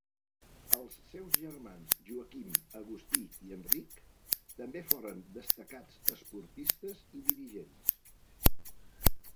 Els seus germans Joaquim, Agustí i Enric també foren destacats esportistes i dirigents.